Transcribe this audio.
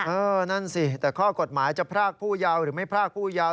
นั่นสิแต่ข้อกฎหมายจะพรากผู้ยาวหรือไม่พรากผู้ยาว